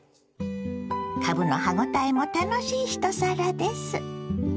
かぶの歯応えも楽しい一皿です。